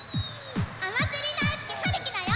おまつりだいすきはるきだよ！